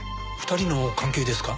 ２人の関係ですか？